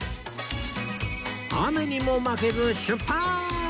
雨にも負けず出発！